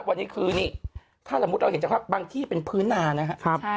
วันนี้คือถ้าละมุดเราเห็นจากบางที่เป็นพื้นนานะครับ